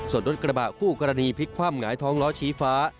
ส่วนรถกระบะคู่กรณีพลิกคว่ำหงายท้องล้อชี้ฟ้า